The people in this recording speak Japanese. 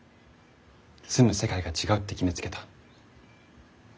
住む世界が違うって決めつけた。